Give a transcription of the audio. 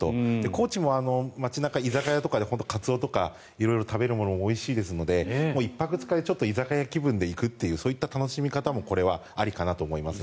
高知も街中、居酒屋とかでカツオとか色々食べるものおいしいですのでちょっと居酒屋気分で行くというそういった楽しみ方もこれはありかなと思います。